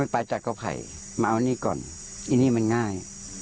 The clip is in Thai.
ไม่ไปจัดก็ไผ่มาเอาอันนี้ก่อนอันนี้มันง่าย